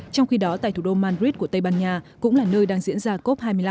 trong khi đó tại thủ đô madrid của tây ban nha cũng là nơi đang diễn ra cop hai mươi năm